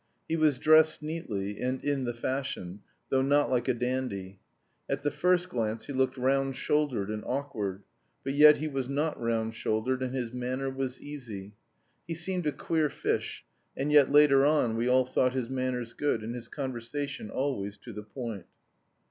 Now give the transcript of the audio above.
He was dressed neatly, and in the fashion, though not like a dandy. At the first glance he looked round shouldered and awkward, but yet he was not round shouldered, and his manner was easy. He seemed a queer fish, and yet later on we all thought his manners good, and his conversation always to the point.